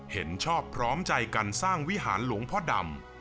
เห็นชอบพร้อมใจกันสร้างวิหารหลวงพ่อดำ